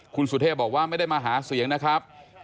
คุณสุเทพบอกว่าไม่ได้มาหาเสียงนะครับ